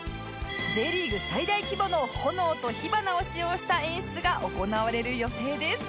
Ｊ リーグ最大規模の炎と火花を使用した演出が行われる予定です